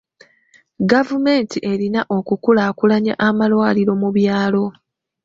Gavumenti erina okukulaakulanya amalwaliro mu byalo.